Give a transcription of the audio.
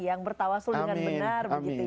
yang bertawasul dengan benar